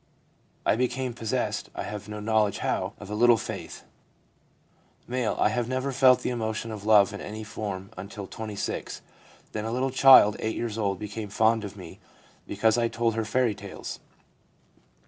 I became possessed, I have no know ledge how, of a little faith.' M. ' I never felt the emotion of love in any form until 26. Then a little child 8 years old became fond of me because I told her fairy tales.